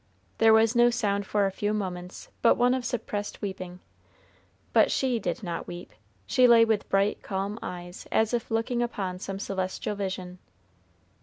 There was no sound for a few moments but one of suppressed weeping; but she did not weep she lay with bright calm eyes, as if looking upon some celestial vision.